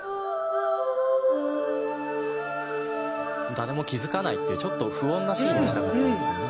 誰も気付かないっていうちょっと不穏なシーンにしたかったんですよね。